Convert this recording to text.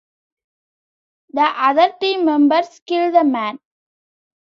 The other team members kill the man.